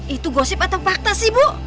itu gosip atau fakta sih bu